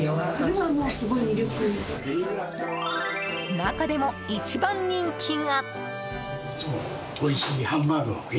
中でも一番人気が。